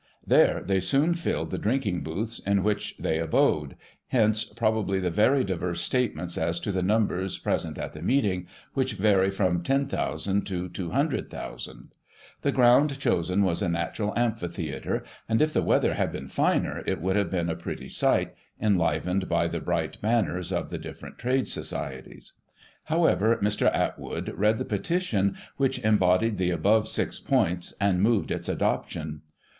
There they soon filled the drinking booths, in which they abode; hence, probably, the very diverse statements as to the numbers present at the meeting, which vary from io, ocx3 to 2CX),ooo. The ground chosen was a natural amphitheatre, and, if the weather had been finer, it would have been a pretty sight, enlivened by the bright banners of the different Trades' Societies. However, Mr. Atwood read the Petition, which embodied the above six points, and moved its adoption.